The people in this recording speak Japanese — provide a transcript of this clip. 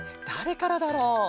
だれからだろう？